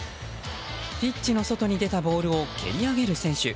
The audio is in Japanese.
ピッチの外に出たボールを蹴り上げる選手。